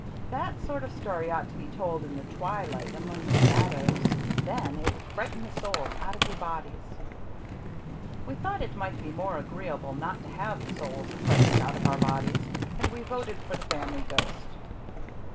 "That sort of story ought to be told in the twilight among the shadows. Then it would frighten the souls out of your bodies." We thought it might be more agreeable not to have the souls frightened out of our bodies, and we voted for the Family Ghost.